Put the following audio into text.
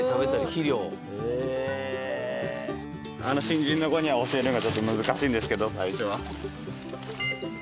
新人の子には教えるのがちょっと難しいんですけど最初は。